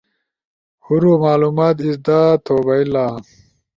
ہورو معلومات ازدا تھو بھئیلا